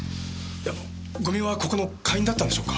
いや五味はここの会員だったんでしょうか？